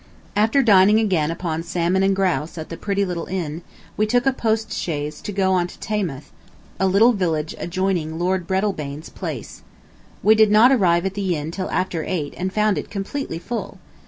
After dining again upon salmon and grouse at the pretty little inn, we took a post chaise to go on to Taymouth, a little village adjoining Lord Breadalbane's place. We did not arrive at the inn till after eight and found it completely full.